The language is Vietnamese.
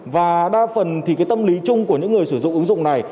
và đa phần thì cái tâm lý chung của những người sử dụng ứng dụng này